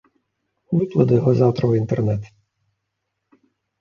Выкладу яго заўтра ў інтэрнэт.